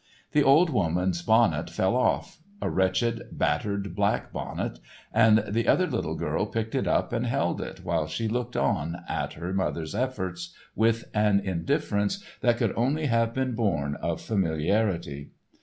The old woman's bonnet fell off—a wretched, battered black bonnet, and the other little girl picked it up and held it while she looked on at her mother's efforts with an indifference that could only have been born of familiarity.